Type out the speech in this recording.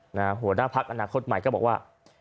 หัวหน้าพักอนาคตใหม่ก็บอกว่า